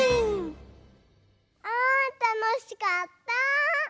あたのしかった！